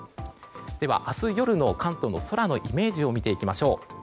では、明日夜の関東の空のイメージを見ていきましょう。